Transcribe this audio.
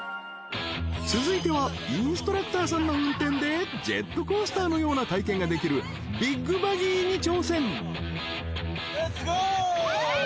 ［続いてはインストラクターさんの運転でジェットコースターのような体験ができるビッグバギーに挑戦］・レッツゴー！